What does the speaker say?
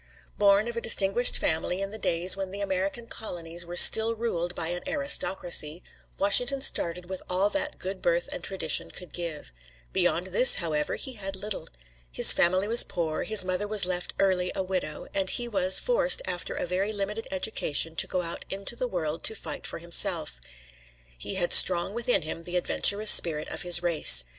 Born of a distinguished family in the days when the American colonies were still ruled by an aristocracy, Washington started with all that good birth and tradition could give. Beyond this, however, he had little. His family was poor, his mother was left early a widow, and he was forced after a very limited education to go out into the world to fight for himself He had strong within him the adventurous spirit of his race.